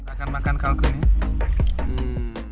kita akan makan kalkunnya